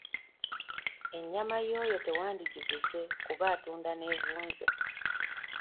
Ennyama y'oyo tewandigiguze kuba atunda n'evunze.